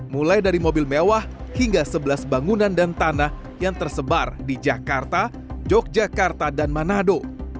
mulai dari mobil mewah hingga sebelas bangunan dan tanah yang tersebar di jakarta yogyakarta dan manado